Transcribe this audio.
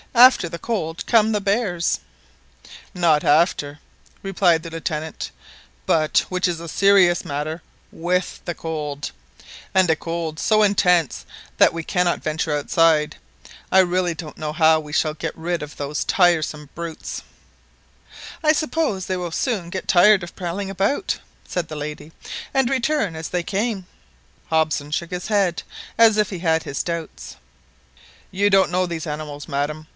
After the cold come the bears." "Not after," replied the Lieutenant, "but, which is a serious matter, with the cold, and a cold ago intense that we cannot venture outside! I really don't know how we shall get rid .of these tiresome brutes." "I suppose they will soon get tired of prowling about," said the lady, "and return as they came." Hobson shook his head as if he had his doubts. "You don't know these animals, madam.